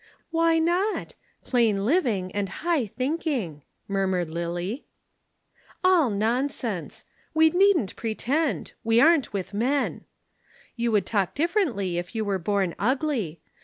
"Why not? Plain living and high thinking!" murmured Lillie. "All nonsense! We needn't pretend we aren't with men. You would talk differently if you were born ugly!